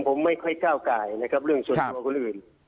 ผมไม่ค่อยก้าวไก่นะครับเรื่องส่วนตัวคนอื่น